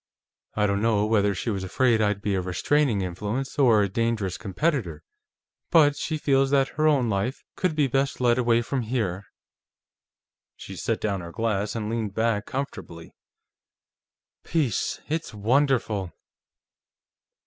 I don't know whether she was afraid I'd be a restraining influence, or a dangerous competitor, but she feels that her own life could be best led away from here." She set down her glass and leaned back comfortably. "Peace, it's wonderful!"